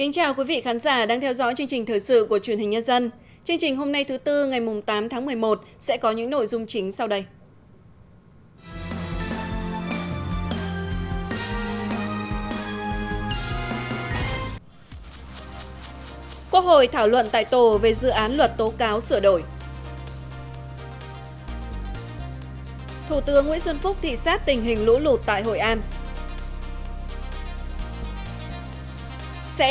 các bạn hãy đăng ký kênh để ủng hộ kênh của chúng mình nhé